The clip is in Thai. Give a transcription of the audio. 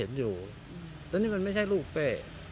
ก็เห็นนะแล้วนี่มันไม่ใช่ลูกเป้